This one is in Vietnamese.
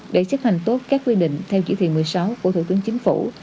để chấp hành tốt các quy định theo chỉ thị một mươi sáu của thủ tướng chính phủ